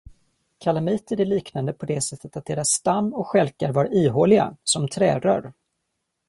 Kalamiter är liknande på det sättet att deras stam och stjälkar var ihåliga, som trärör.